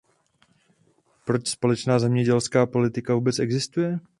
Proč společná zemědělská politika vůbec existuje?